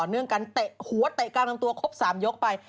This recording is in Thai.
เนื่องกันเตะหัวเตะกลางลำตัวครบ๓ยกไป